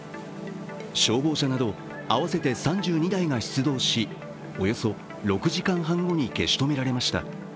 消防車など合わせて３２台が出動し、およそ６時間半後に消し止められました。